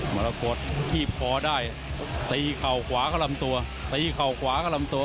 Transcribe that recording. มรกฏที่คอได้ตีเข่าขวาเข้าลำตัวตีเข่าขวาเข้าลำตัว